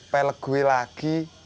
pelek gue lagi